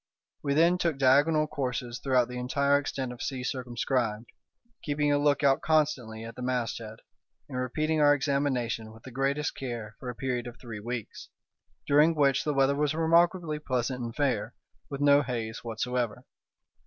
We then took diagonal courses throughout the entire extent of sea circumscribed, keeping a lookout constantly at the masthead, and repeating our examination with the greatest care for a period of three weeks, during which the weather was remarkably pleasant and fair, with no haze whatsoever.